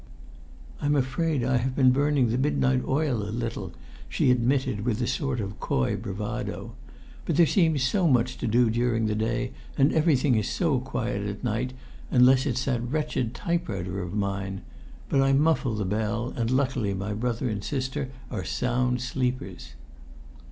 "I'm afraid I have been burning the midnight oil a little," she admitted with a sort of coy bravado. "But there seems so much to do during the day, and everything is so quiet at night, unless it's that wretched typewriter of mine! But I muffle the bell, and luckily my brother and sister are sound sleepers."